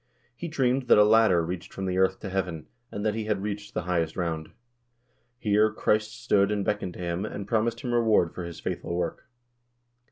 He dreamed that a ladder reached from the earth to heaven, and that he had reached the highest round. Here Christ stood and beckoned to him, and promised him reward for his faithful work.